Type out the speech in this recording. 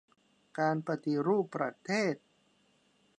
การปฏิรูปประเทศ